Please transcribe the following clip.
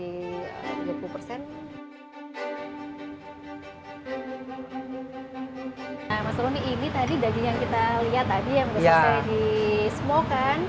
nah mas roni ini tadi daging yang kita lihat tadi yang udah selesai di small kan